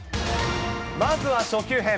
まずは初級編。